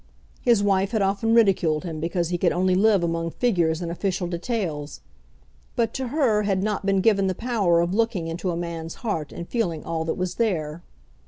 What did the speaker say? His wife had often ridiculed him because he could only live among figures and official details; but to her had not been given the power of looking into a man's heart and feeling all that was there.